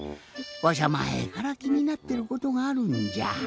わしゃまえからきになってることがあるんじゃ。